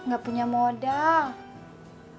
gak punya modal